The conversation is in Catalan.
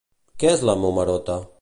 Què és la Momerota?